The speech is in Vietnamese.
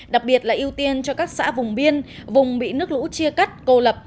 đặc biệt là ưu tiên cho các xã vùng biên vùng bị nước lũ chia cắt cô lập